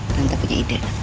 tante punya ide